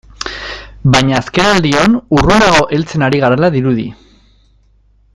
Baina azkenaldion urrunago heltzen ari garela dirudi.